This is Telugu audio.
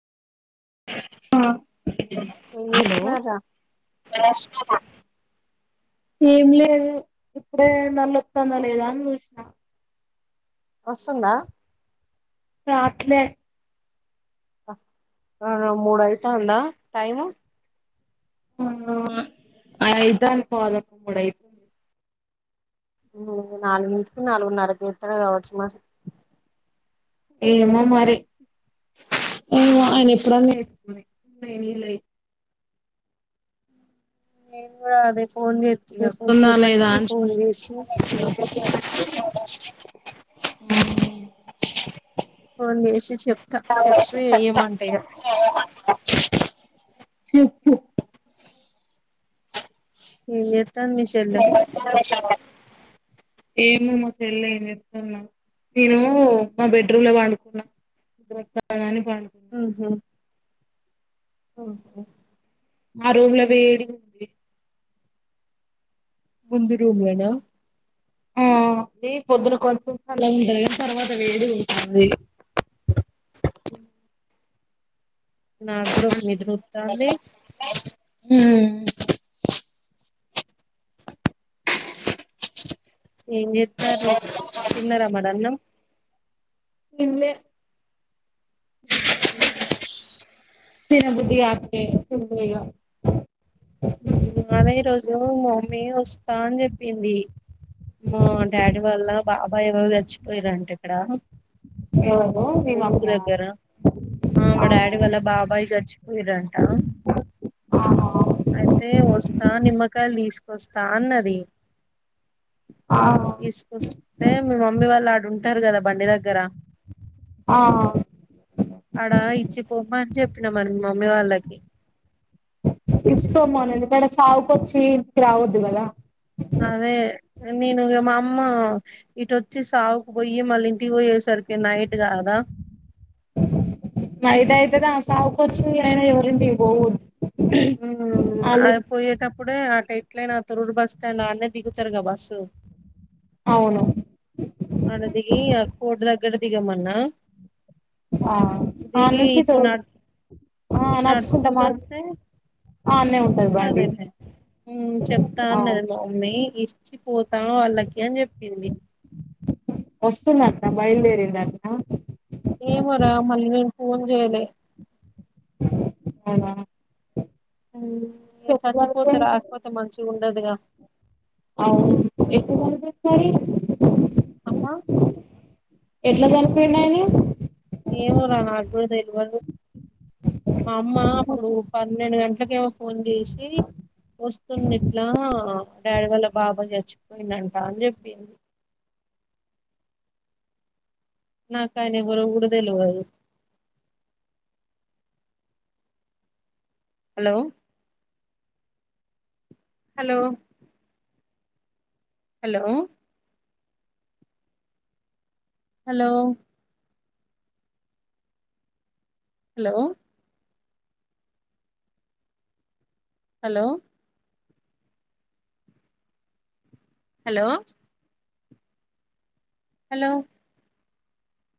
ఆ ఏం చేసినర్ రా [unintelligible] ఎంలేదు ఇప్పుడే [unintelligible] లేదా అని చూసిన వస్తుందా రాట్లే అ ఓ మూడు అయితాందా టైమ్ ఆ ఐతాంది పోవాల మూడయితుంది మ్ నాలుగుంటికి నాలుగున్నరకి ఏత్తాడు కావచ్చు మరి ఏమో మరి ఆ ఆయన ఎప్పుడన్నా ఎస్కొని వెయ్ నిలెయ్ నేన్ కూడా అదే ఫోన్ చేత్త ఇగ వస్తుందా లేదా కొద్దిసేపటికి అని చూస్ ఫోన్ చేసి మ్ ఫోన్ చేసి చెప్తా నువ్వు చెప్పి యేసిన చెత్త ఏయమంట చెత్త ఇగ ఏమంట ఎం చేత్తంది మీ షెల్లే ఏమో మా చెల్ల ఎం చెత్తందో నేను మా బెడ్రూమ్ లో పండుకున్నా నిద్దరొస్తందని ఉంహు ఓహో మా రూం లో వేడి గుంది ముందు రూం లోనా ఆ అది పొద్దున కొంచం చల్లగుంటది గాని తర్వాత వేడి గుంటుంది నాకు కూడా ఒక నిద్ర వత్తాంది హ ఏం చేత్తారు తిన్నార మడ అన్నం తిన్లే ఊహు తిన బుద్ధి కాట్లే తిన్లే ఇగ మ్ అనే రోజు మా మమ్మీ వోస్ వస్తా అని చెప్పింది మా డాడీ వాళ్ళ బాబాయ్ ఎవరో చచ్చిపోయారంటే ఇక్కడ ఎవరో మా మీ ఊరు మమ్మీ ఆ దగ్గర ఆ మా ఆహా డాడీ వాళ్ళ బాబాయ్ చచ్చిపోయరంట ఆహా అయితే వస్తా నిమ్మకాయలు తీసుకొస్తా అన్నది ఆహా తీసుకొస్తే మీ మమ్మీ వాళ్ళు ఆడు ఉంటారు కదా బండి దగ్గర ఆ అడ ఇచ్చిప్ బొమ్మ అని చెప్పిన మరి మీ మమ్మీ వాళ్ళకి తీచ్చుకోమోనిందిక్కడ సావుకొచ్చి ఈడికి రావద్దు కదా అదే నేను ఇగ మా అమ్మ ఇటోచ్చి సావుకు పొయ్యి మళ్ళీ ఇంటికి పోయేసా కరికే నైట్ గాద నైట్ అయితదా సావుకొచ్చి అయినా ఎవరింటికి పోవద్దు మ్ ఆ ఆల్రెడీ పోయేటప్పుడే ఆ టై అట్లనా తొరూరు బస్టాండ్ ఆడ్నే దిగుతారుగా బస్సు అవును అడ్నే దిగి ఆ కోటు దగ్గర దిగమన్నా ఆ దిగి ఆన్నుంచి తో ఇట్లా నడు ఆ ఇడా నడుచుకుంటా నడుసుకుంటూ మార్ వత్తే ఆన్నే ఉంటది బండి అదేలే మ్ చెప్తా ఆ అన్నారు మా మమ్మీ ఇష్ట ఇచ్చిపోతాం వాళ్ళకి అని చెప్పింది వస్తుందట బయలుదేరింది అంట ఏమరా మళ్ళీ నేను ఫోన్ చేయ్లే అవునా? ఉమ్ ఎప్పుడు చచ్చిపోతే కలిపోయింది రాక్పోతే మంచిగ ఉండదుగా? అవును ఎప్పుడు [inaudible] మరి అమ్మా ఎట్ల చన్పోయిండు ఆయనె ఏమో రా నా గూడా తెల్వదు మా అమ్మ అప్పుడు పన్నెండు గంట క్కకేమో ఫోన్ జేసి వస్తుందిట్లా డాడీ వాళ్ళ బాబా చచ్చిపోయిందంట అని జెప్పింది నాకాయన ఎవరో కూడ తెల్వదు hello hello hello hello hello hello hello hello